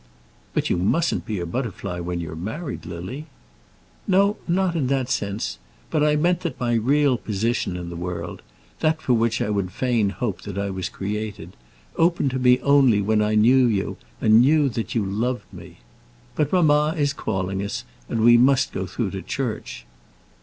"But you mustn't be a butterfly when you're married, Lily." "No; not in that sense. But I meant that my real position in the world, that for which I would fain hope that I was created, opened to me only when I knew you and knew that you loved me. But mamma is calling us, and we must go through to church.